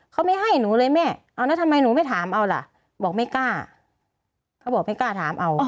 เขาไม่ให้หนูเลยแม่เอาแล้วทำไมหนูไม่ถามเอาล่ะบอกไม่กล้าเขาบอกไม่กล้าถามเอา